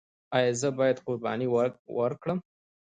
ایا زه باید قرباني وکړم؟